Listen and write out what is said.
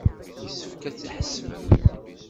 Yessefk ad t-tḥebsem.